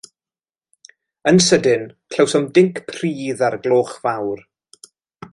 Yn sydyn, clywsom dinc prudd ar y gloch fawr.